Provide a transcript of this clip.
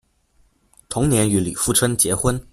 同年与李富春结婚。